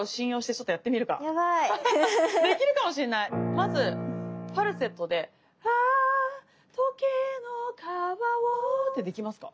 まずファルセットでああときのかわをってできますか。